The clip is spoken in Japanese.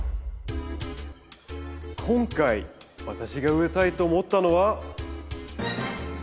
今回私が植えたいと思ったのは。